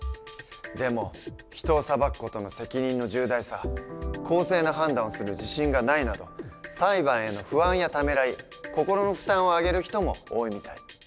でも人を裁く事の責任の重大さ公正な判断をする自信がないなど裁判への不安やためらい心の負担を挙げる人も多いみたい。